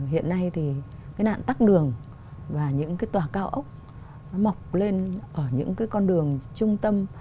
hiện nay thì cái nạn tắc đường và những cái tòa cao ốc nó mọc lên ở những cái con đường trung tâm